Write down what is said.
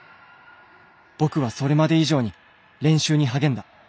僕はそれまで以上に練習にはげんだ。